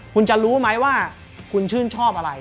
คุณจะรู้ไหมว่าคุณชื่นชอบอะไร